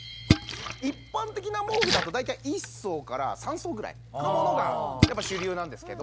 一般的な毛布だと大体１層から３層ぐらいのものがやっぱ主流なんですけど。